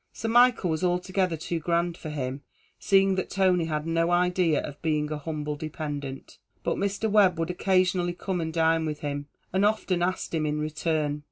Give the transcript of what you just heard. Sir Michael was altogether too grand for him, seeing that Tony had no idea of being a humble dependent; but Mr. Webb would occasionally come and dine with him and often asked him in return.